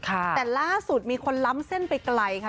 แต่ล่าสุดมีคนล้ำเส้นไปไกลค่ะ